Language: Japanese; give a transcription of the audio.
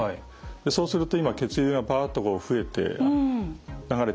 そうすると今血流がパッと増えて流れて。